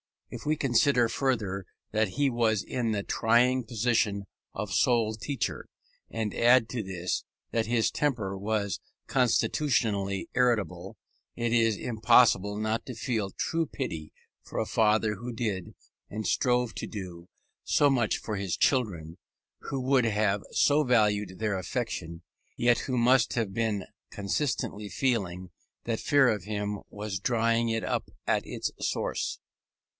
If we consider further that he was in the trying position of sole teacher, and add to this that his temper was constitutionally irritable, it is impossible not to feel true pity for a father who did, and strove to do, so much for his children, who would have so valued their affection, yet who must have been constantly feeling that fear of him was drying it up at its source.